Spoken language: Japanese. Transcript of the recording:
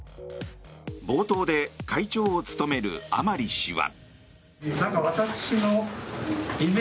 冒頭で会長を務める甘利氏は。